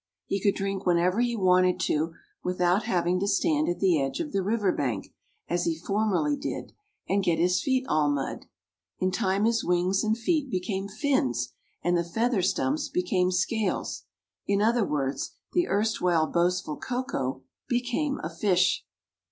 He could drink whenever he wanted to without having to stand at the edge of the river bank, as he formerly did and get his feet all mud. In time his wings and feet became fins and the feather stumps became scales; in other words, the erstwhile boastful Koko became a fish.